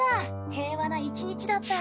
平和な一日だったよ。